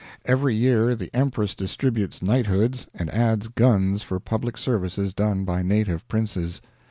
Every year the Empress distributes knighthoods and adds guns for public services done by native princes.